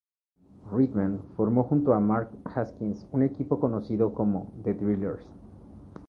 Redman formó junto a Mark Haskins un equipo conocido como The Thrillers.